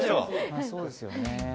そうですよね。